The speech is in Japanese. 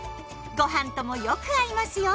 ごはんともよく合いますよ。